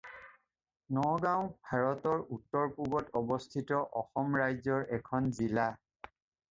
নগাঁও ভাৰতৰ উত্তৰ-পূবত অৱস্থিত অসম ৰাজ্যৰ এখন জিলা।